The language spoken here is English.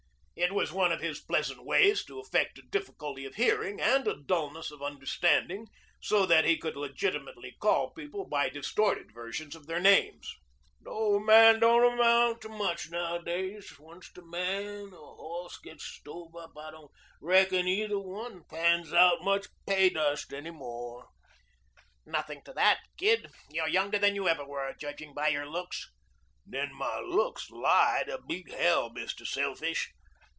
It was one of his pleasant ways to affect a difficulty of hearing and a dullness of understanding, so that he could legitimately call people by distorted versions of their names. "The old man don't amount to much nowadays. Onct a man or a horse gits stove up I don't reckon either one pans out much pay dust any more." "Nothing to that, Gid. You're younger than you ever were, judging by your looks." "Then my looks lie to beat hell, Mr. Selfish."